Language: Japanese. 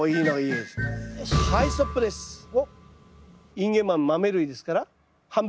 インゲンマメマメ類ですから。